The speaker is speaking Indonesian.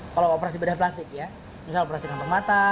kalau operasi bedah plastik ya misalnya operasi kantong mata